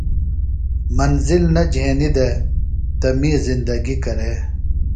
منزل نہ جھینیۡ دےۡ تہ می زندگی کرے۔